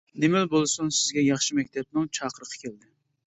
نېمىلا بولسۇن سىزگە ياخشى مەكتەپنىڭ چاقىرىقى كەلدى.